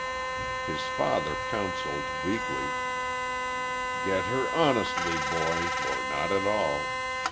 His father counselled, weakly: "Get her honestly, boy, or not at all.